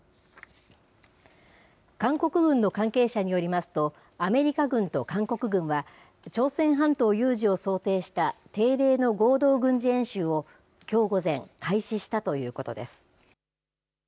韓国軍の関係者によりますと、アメリカ軍と韓国軍は、朝鮮半島有事を想定した定例の合同軍事演習を、きょう午前、開始したということです。